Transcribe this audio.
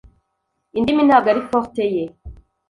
Indimi ntabwo ari forte ye.